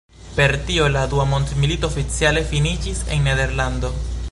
Per tio la dua mondmilito oficiale finiĝis en Nederlando.